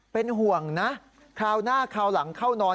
เป็นห่วงนะคราวหน้าคราวหลังเข้านอน